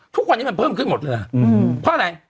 ทุกวันนี้มันเพิ่มขึ้นหมดเลยเพราะอะไร